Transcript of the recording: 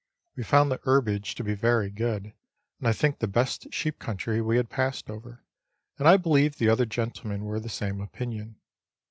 We found the herbage to be very good, and I think the best sheep country we had passed over, and I believe the other gentlemen were of the same opinion.